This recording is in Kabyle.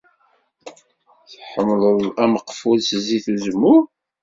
Tḥemmleḍ ameqful s zzit uzemmur?